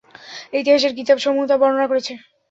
ইতিহাসের কিতাবসমূহ তা বর্ণনা করেছে।